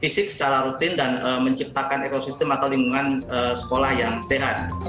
fisik secara rutin dan menciptakan ekosistem atau lingkungan sekolah yang sehat